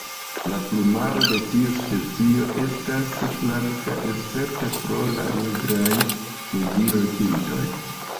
La plumaro de tiu specio estas blanka escepte pro la nigraj flugilpintoj.